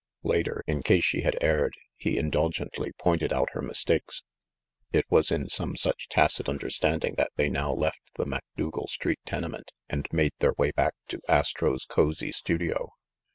Later, in case she had erred, he in dulgently pointed out her mistakes. It was in some such tacit understanding that they now left the Mac dougal Street tenement and made their way back to Astro's cozy studio.